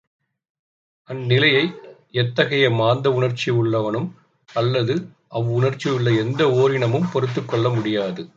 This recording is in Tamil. அந்நிலையை எத்தகைய மாந்த உணர்ச்சியுள்ளவனும் அல்லது அவ்வுணர்ச்சியுள்ள எந்த ஓரினமும் பொறுத்துக் கொள்ள முடியாது.